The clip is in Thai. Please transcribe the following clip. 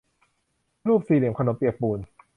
รูปสี่เหลี่ยมขนมเปียกปูน